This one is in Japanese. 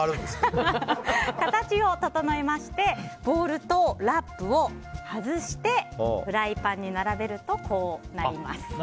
形を整えましてボウルとラップを外してフライパンに並べるとこうなります。